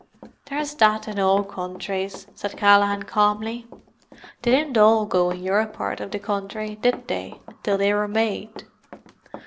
"There's that in all countries," said Callaghan calmly. "They didn't all go in your part of the country, did they, till they were made?